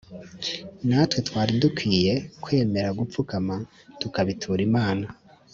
natwe twari dukwiye kwemera gupfukama tukabitura imana